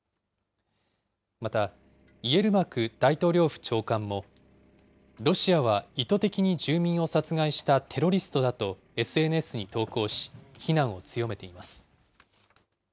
また、イエルマク大統領府長官も、ロシアは意図的に住民を殺害したテロリストだとＳＮＳに投稿し、非難を強めています。